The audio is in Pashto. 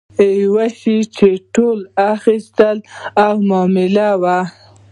یو شی چې ټولو اخیستی و مملايي وه.